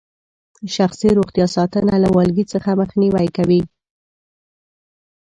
شخصي روغتیا ساتنه له والګي څخه مخنیوي کوي.